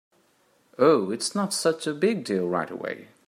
Oh, it’s not such a big deal right away.